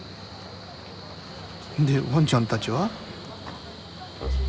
でワンちゃんたちは。